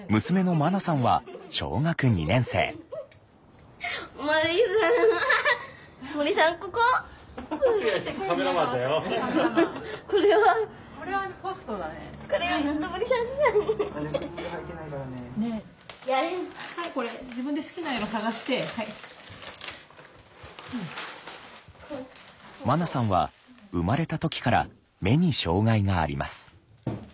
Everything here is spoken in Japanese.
まなさんは生まれた時から目に障害があります。